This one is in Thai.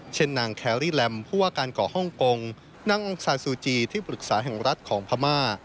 เช่นนางแครี่แลมผู้ว่าการก่อฮ่องกงนางองซานซูจีที่ปรึกษาแห่งรัฐของพม่า